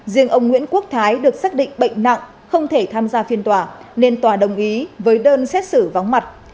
riêng ông nguyễn quốc thái được xác định bệnh nặng không thể tham gia phiên tòa nên tòa đồng ý với đơn xét xử vắng mặt